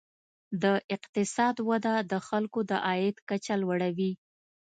د اقتصاد وده د خلکو د عاید کچه لوړوي.